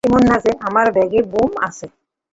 এমন না যে আমার ব্যাগে বোম্ব আছে।